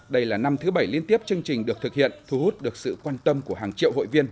đây là năm thứ bảy liên tiếp chương trình được thực hiện thu hút được sự quan tâm của hàng triệu hội viên